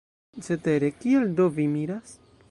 Cetere, kial do vi miras?